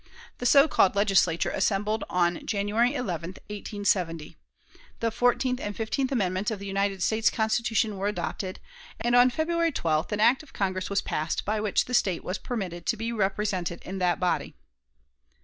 The so called Legislature assembled on January 11, 1870. The fourteenth and fifteenth amendments of the United States Constitution were adopted, and on February 12th an act of Congress was passed by which the State was permitted to be represented in that body.